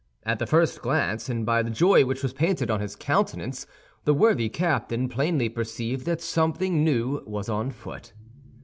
At the first glance, and by the joy which was painted on his countenance, the worthy captain plainly perceived that something new was on foot.